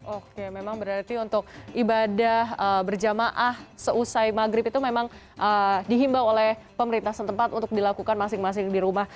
oke memang berarti untuk ibadah berjamaah seusai maghrib itu memang dihimbau oleh pemerintah setempat untuk dilakukan masing masing di rumah